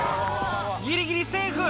「ギリギリセーフ！